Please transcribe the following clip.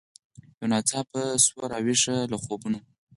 یو ناڅاپه سوه را ویښه له خوبونو